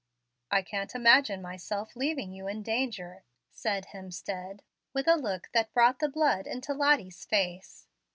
"I can't imagine myself leaving you in danger," said Hemstead, with a look that brought the blood into Lottie's face.